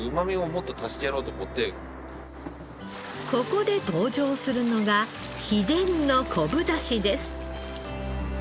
ここで登場するのが秘伝の昆布出汁です。